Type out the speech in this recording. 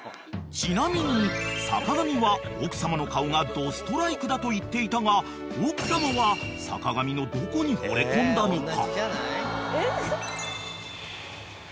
［ちなみに坂上は奥様の顔がドストライクだと言っていたが奥様は坂上のどこにほれ込んだのか］